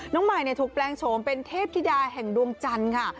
น้องใหม่ถูกแปลงโฉมเป็นเทพธิดาแห่งดวงจันทร์ค่ะ